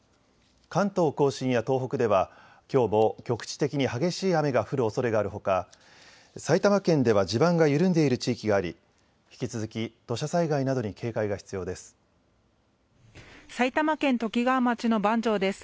関東甲信や東北ではきょうも局地的に激しい雨が降るおそれがあるほか埼玉県では地盤が緩んでいる地域があり引き続き土砂災害などに警戒が必要です。